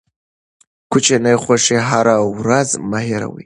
کوچني خوښۍ هره ورځ مه هېروئ.